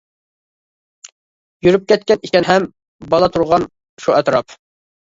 يۈرۈپ كەتكەن ئىكەن ھەم، بالا تۇرغان شۇ ئەتراپ.